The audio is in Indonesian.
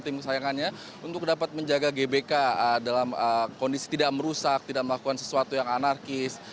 jadi sayangannya untuk dapat menjaga gbk dalam kondisi tidak merusak tidak melakukan sesuatu yang anarkis